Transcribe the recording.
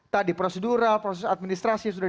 tadi prosedural proses administrasi sudah